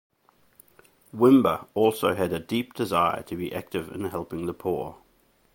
Wimber also had a deep desire to be active in helping the poor.